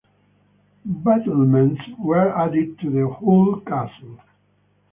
Battlements were added to the whole castle.